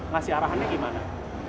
ngasih arahannya gimana